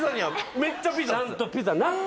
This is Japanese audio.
めっちゃピザです。